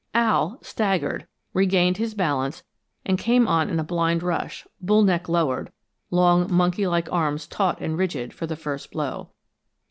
"Al" staggered, regained his balance, and came on in a blind rush, bull neck lowered, long, monkey like arms taut and rigid for the first blow.